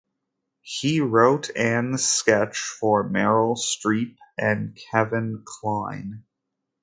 He wrote an sketch for Meryl Streep and Kevin Kline.